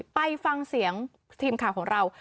ไปฟังเสียงทีมข่าวของเรา